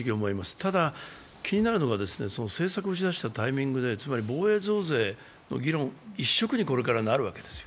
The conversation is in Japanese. ただ、気になるのが政策を打ち出したタイミングで、つまり防衛増税の議論一色にこれからなるわけですよ。